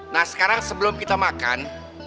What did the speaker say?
nah sekarang sebelum kita makan